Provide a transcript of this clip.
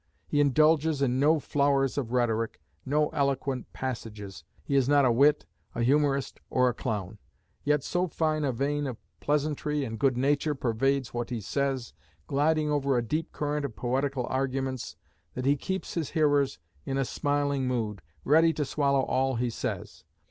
He indulges in no flowers of rhetoric, no eloquent passages. He is not a wit, a humorist, or a clown; yet so fine a vein of pleasantry and good nature pervades what he says, gliding over a deep current of poetical arguments, that he keeps his hearers in a smiling mood, ready to swallow all he says.